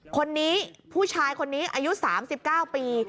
คนนี้ผู้ชายคนนี้อายุ๓๙ปี